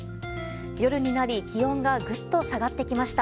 夜になり気温がぐっと下がってきました。